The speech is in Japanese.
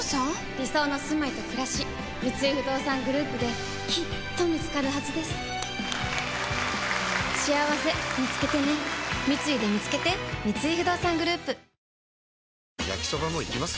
理想のすまいとくらし三井不動産グループできっと見つかるはずですしあわせみつけてね三井でみつけて焼きソバもいきます？